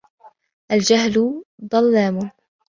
الجهل ضلام